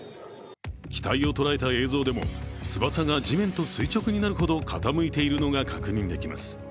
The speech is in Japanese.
機体を捉えた映像でも翼が地面と垂直になるほど傾いているのが確認できます。